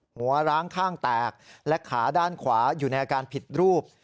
ร้างข้างแตกและขาด้านขวาอยู่ในอาการผิดรูป